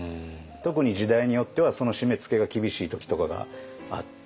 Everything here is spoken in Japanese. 特に時代によってはその締めつけが厳しい時とかがあって。